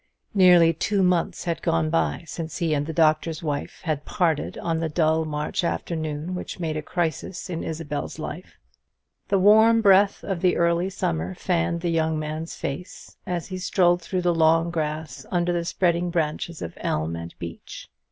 Nearly two months had gone by since he and the Doctor's Wife bad parted on the dull March afternoon which made a crisis in Isabel's life. The warm breath of the early summer fanned the young man's face as he strolled through the long grass under the spreading branches of elm and beech.